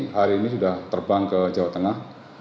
hari ini sudah terbang ke jawa tengah